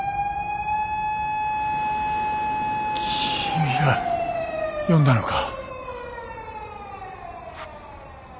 ・君が呼んだのか？